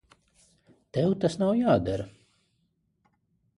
Tev tas nav jādara.